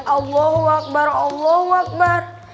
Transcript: allahu akbar allahu akbar